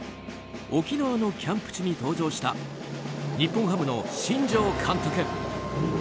沖縄のキャンプ地に登場した日本ハムの新庄監督。